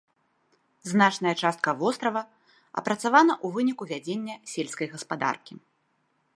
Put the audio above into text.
Значная частка вострава апрацавана ў выніку вядзення сельскай гаспадаркі.